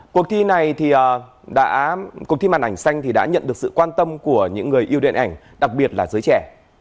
cuộc thi màn ảnh xanh đã nhận được sự quan tâm của những người yêu điện ảnh đặc biệt là giới trẻ